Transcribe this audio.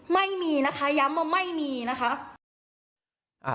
ไม่มีนะคะย้ำว่าไม่มีนะคะ